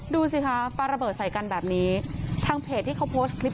ดูสิคะปลาระเบิดใส่กันแบบนี้ทางเพจที่เขาโพสต์คลิป